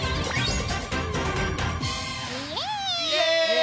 イエーイ！